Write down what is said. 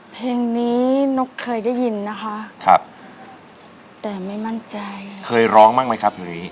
เพลงนี้นกเคยได้ยินนะคะครับแต่ไม่มั่นใจเคยร้องบ้างไหมครับเพลงนี้